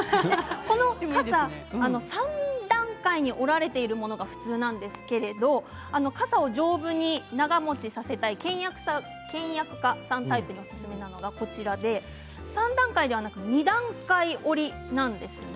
この傘３段階に折られているものが普通なんですが傘を丈夫に長もちさせたい倹約家さんタイプにおすすめなのが３段階ではなく２段階折りなんですね。